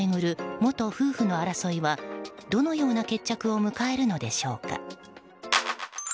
子供を巡る元夫婦の争いはどのような決着を迎えるのでしょうか。